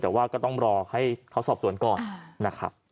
แต่ว่าก็ต้องรอให้เขาสอบสวนก่อนนะครับ